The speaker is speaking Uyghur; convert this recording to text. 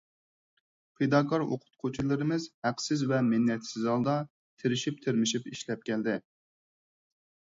پىداكار ئوقۇتقۇچىلىرىمىز ھەقسىز ۋە مىننەتسىز ھالدا، تىرىشىپ-تىرمىشىپ ئىشلەپ كەلدى.